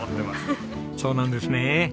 そうなんですね。